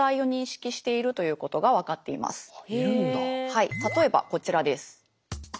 はい例えばこちらです。